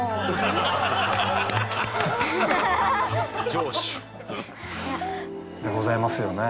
「」「城主」でございますよね。